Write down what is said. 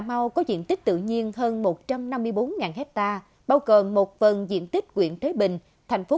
mau có diện tích tự nhiên hơn một trăm năm mươi bốn hectare bao gồm một phần diện tích quyện thế bình thành phố